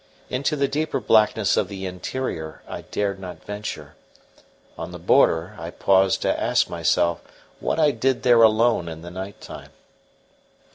Into the deeper blackness of the interior I dared not venture; on the border I paused to ask myself what I did there alone in the night time.